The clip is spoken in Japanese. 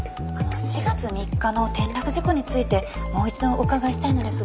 ４月３日の転落事故についてもう一度お伺いしたいのですが。